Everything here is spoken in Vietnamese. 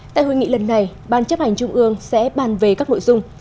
tại hội nghị lần này ban chấp hành trung ương sẽ bàn về các nội dung